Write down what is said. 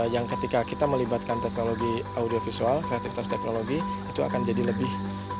yang ketika kita melibatkan teknologi audiovisual kreativitas teknologi itu akan jadi lebih